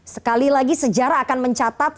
sekali lagi sejarah akan mencatat